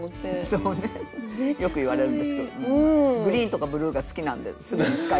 そうねよく言われるんですけどもグリーンとかブルーが好きなんですぐに使いたがる。